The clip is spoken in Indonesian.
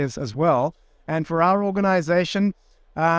kita percaya dalam membangun masa depan yang berkembang untuk orang dan planet